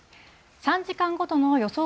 ３時間ごとの予想